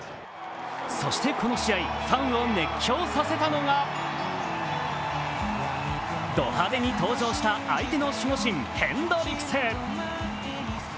そして、この試合、ファンを熱狂させたのがド派手に登場した相手の守護神、ヘンドリクス。